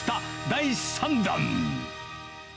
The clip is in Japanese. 第３弾。